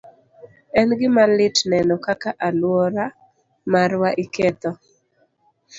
En gima lit neno kaka alwora marwa iketho.